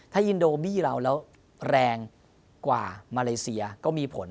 โบบีเราแล้วแรงกว่ามาเลเซียก็มีผล